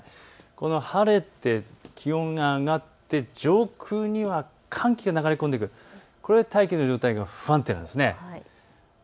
この晴れて気温が上がって上空には寒気も流れ込んでくる大気の状態が不安定なんです。